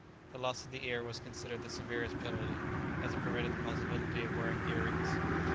The loss of the ear was considered the severest penalty, as it prevented the possibility of wearing earrings!